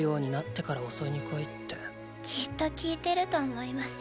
きっと聞いてると思います。